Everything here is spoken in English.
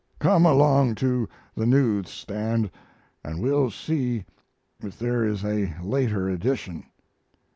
Come along to the news stand and we'll see if there is a later edition."